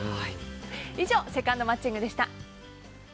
以上、セカンド街ングでした。